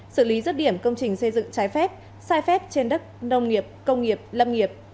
xử lý rứt điểm công trình xây dựng trái phép sai phép trên đất nông nghiệp công nghiệp lâm nghiệp